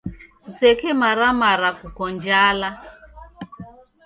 Kusekemara mara kuko njala.